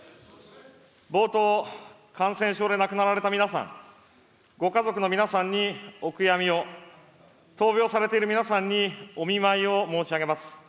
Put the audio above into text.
冒頭、感染症で亡くなられた皆さん、ご家族の皆さんにお悔やみを、闘病されている皆さんにお見舞いを申し上げます。